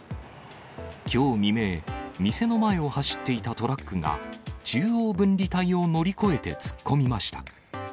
きょう未明、店の前を走っていたトラックが、中央分離帯を乗り越えて突っ込みました。